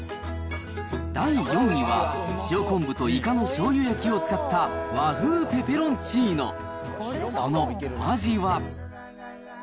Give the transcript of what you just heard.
第４位は、塩昆布とイカのしょうゆ焼きを使った、和風ペペロンチーノ。